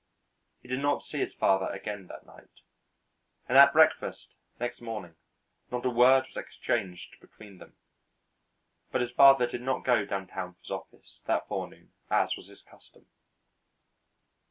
He did not see his father again that night, and at breakfast next morning not a word was exchanged between them, but his father did not go downtown to his office that forenoon, as was his custom.